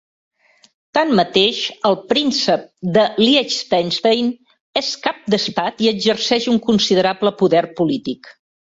Tanmateix, el Príncep de Liechtenstein és cap d'estat i exerceix un considerable poder polític.